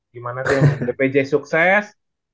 gimana tuh yang dpj sukses